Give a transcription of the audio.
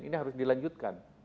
ini harus dilanjutkan